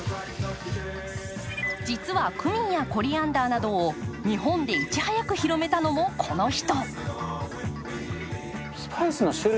実はクミンやコリアンダーなどを日本でいち早く広めたのもこの人。